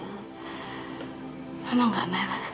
enggak sayang mama gak marah sama dia